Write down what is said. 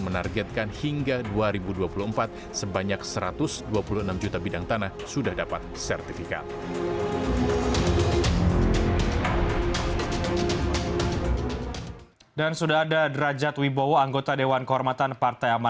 menargetkan hingga dua ribu dua puluh empat sebanyak satu ratus dua puluh enam juta bidang tanah sudah dapat sertifikat